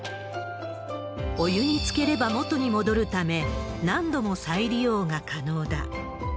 お湯につければ元に戻るため、何度も再利用が可能だ。